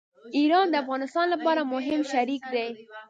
ایران د افغانستان لپاره مهم شریک دی.